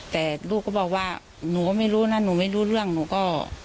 แต่ลูกก็บอกว่าหนูก็ไม่รู้นะหนูไม่รู้เรื่องหนูก็